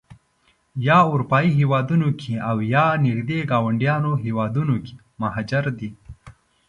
یا اروپایي هېوادونو کې او یا نږدې ګاونډیو هېوادونو کې مهاجر دي.